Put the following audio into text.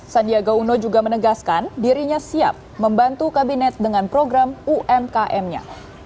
sandiaga uno juga menegaskan dirinya siap membantu kabinet dengan program umkm nya